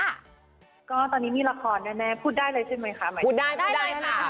ก็ตอนนี้มีละครน่ะพูดได้เลยใช่ไหมคะ